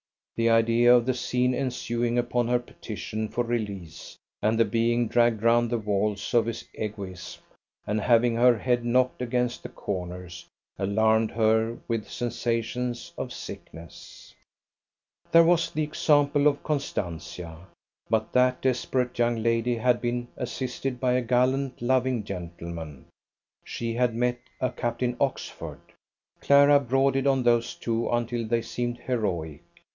The idea of the scene ensuing upon her petition for release, and the being dragged round the walls of his egoism, and having her head knocked against the corners, alarmed her with sensations of sickness. There was the example of Constantia. But that desperate young lady had been assisted by a gallant, loving gentleman; she had met a Captain Oxford. Clara brooded on those two until they seemed heroic.